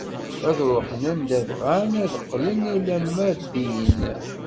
Ad ruḥen anda bɣan, ad d-qqlen alamma d din.